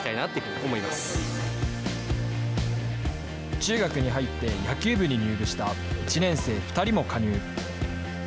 中学に入って野球部に入部した１年生２人も加入。